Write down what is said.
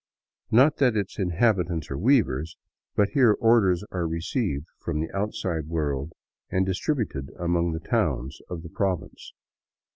Not that its in habitants are weavers, but here orders are received from the outside world and distributed among the towns of the province.